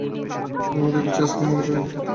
নামও দেখছি আজকাল মনে থাকে না।